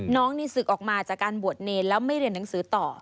น้องนี่ศึกออกมาจากการบวชเนรแล้วไม่เรียนหนังสือต่อ